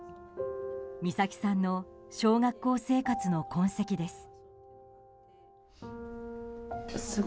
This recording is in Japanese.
美咲さんの小学校生活の痕跡です。